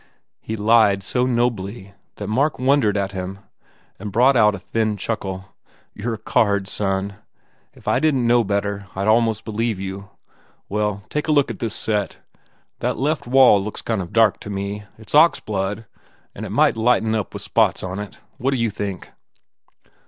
He lied so nobly that Mark wondered at him and brought out a thin chuckle. u You re a card, son! ... If I didn t know better I d almost be lieve you. ... Well, take a look at this set. That left wall looks kind of dark to me. It s ox blood and it might light up with spots on it. What d you think?"